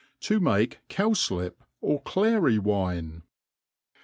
To maki Cowflip or Clary fVini.